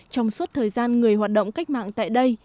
trong suốt thời gian người hoạt động cách mạng tại đây